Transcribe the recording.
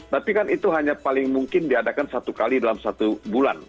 tapi kan itu hanya paling mungkin diadakan satu kali dalam satu bulan